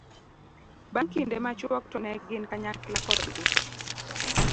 bang' kinde machuok to ne gin kanyakla kodgi